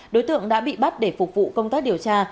đối tượng đã bị bắt để phục vụ công tác điều tra